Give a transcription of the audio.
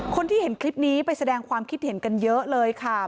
คนที่เห็นคลิปนี้ไปแสดงความคิดเห็นกันเยอะเลยค่ะ